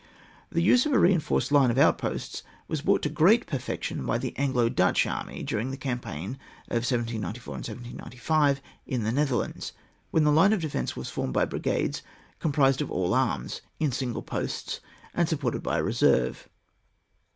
The use of a reinforced line of out posts was brought to great perfection by the Anglo Dutch anny, during the cam paign of 1794 and 1795, in the Nether lands, when the line of defence was formed by brigades composed of all arms, in single posts, and supported by a reserve.